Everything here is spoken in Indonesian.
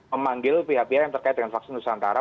memanggil pihak pihak yang terkait dengan vaksin nusantara